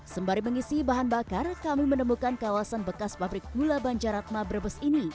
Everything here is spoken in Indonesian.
sembari mengisi bahan bakar kami menemukan kawasan bekas pabrik gula banjaratma brebes ini